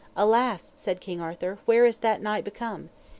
Alas, said King Arthur, where is that knight become?